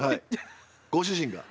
ご主人が？